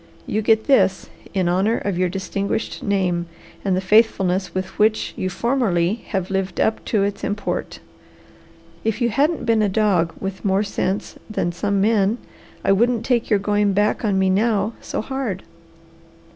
"You get this in honour of your distinguished name and the faithfulness with which you formerly have lived up to its import. If you hadn't been a dog with more sense than some men, I wouldn't take your going back on me now so hard.